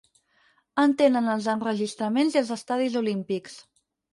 En tenen els enregistraments i els estadis olímpics.